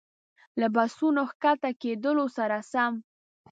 له بسونو ښکته کېدلو سره سم.